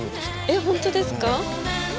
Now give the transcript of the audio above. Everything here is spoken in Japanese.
えっ本当ですか。